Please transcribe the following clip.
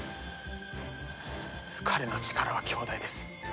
彼の力は強大です。